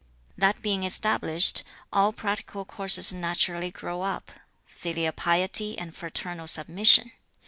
That being established, all practical courses naturally grow up. Filial piety and fraternal submission!